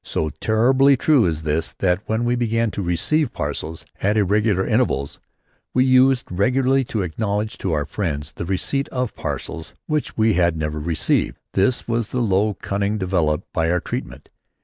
So terribly true is this that when we began to receive parcels at irregular intervals, we used regularly to acknowledge to our friends the receipt of parcels which we had never received. This was the low cunning developed by our treatment.